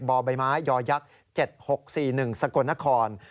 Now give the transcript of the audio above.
ใบไม้ยอยักษ์๗๖๔๑สกลนคร